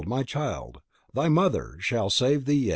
my child! thy mother shall save thee yet!"